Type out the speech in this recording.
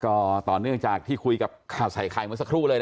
ก็ต่อเนื่องจากที่คุยกับข่าวใส่ไข่เมื่อสักครู่เลย